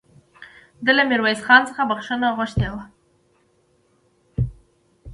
ده له ميرويس خان څخه بخښنه غوښتې وه